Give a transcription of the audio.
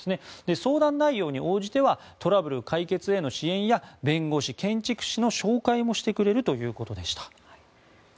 相談内容に応じてはトラブル解決への支援や弁護士、建築士の紹介もしてくれるということでした。